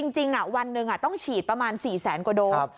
จริงวันหนึ่งต้องฉีดประมาณ๔แสนกว่าโดส